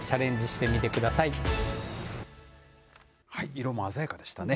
色も鮮やかでしたね。